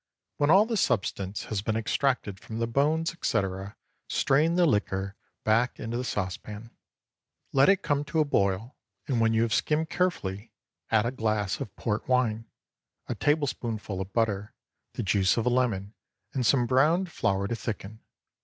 When all the substance has been extracted from the bones, etc., strain the liquor back into the saucepan; let it come to a boil, and when you have skimmed carefully, add a glass of Port wine, a tablespoonful of butter, the juice of a lemon, and some browned flour to thicken.